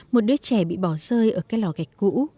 một đứa trẻ bị bỏ rơi ở cái lò gạch cũ